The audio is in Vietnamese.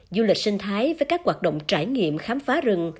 du lịch sinh thái với các hoạt động trải nghiệm khám phá rừng